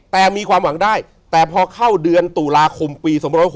แต่มีความหวังได้แต่พอเข้าเดือนตุลาคมปี๒๖๖